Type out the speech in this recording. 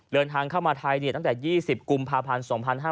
เดินทางเข้ามาไทยตั้งแต่๒๐กุมภาพันธ์๒๕๕๙